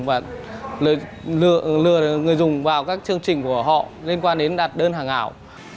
và lừa người dùng vào các chương trình của họ liên quan đến đặt đơn hàng ảo